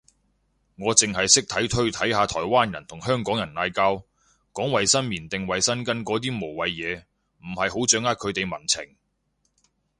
我剩係識睇推睇下台灣人同香港人嗌交，講衛生棉定衛生巾嗰啲無謂嘢，唔係好掌握佢哋民情